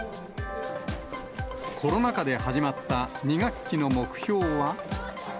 コロナ禍で始まった２学期の目標は。